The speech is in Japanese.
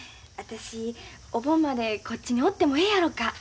私お盆までこっちにおってもええやろか。